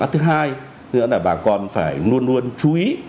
thứ hai nữa là bà con phải luôn luôn chú ý